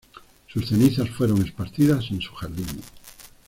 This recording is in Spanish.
Sus cenizas fueron esparcidas en su jardín.